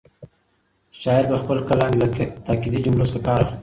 شاعر په خپل کلام کې له تاکېدي جملو څخه کار اخلي.